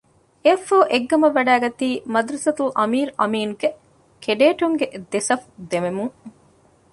އެއަށްފަހު އެއްގަމަށް ވަޑައިގަތީ މަދްރަސަތުލް އަމީރު އަމީނުގެ ކެޑޭޓުންގެ ދެ ސަފު ދެމުމުން